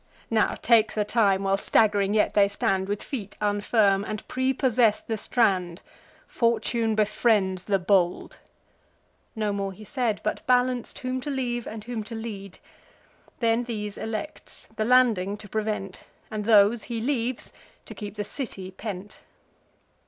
Now take the time, while stagg'ring yet they stand With feet unfirm, and prepossess the strand: Fortune befriends the bold." Nor more he said, But balanc'd whom to leave, and whom to lead; Then these elects, the landing to prevent; And those he leaves, to keep the city pent.